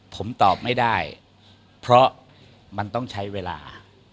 ผมตอบไม่ได้เพราะมันต้องใช้เวลา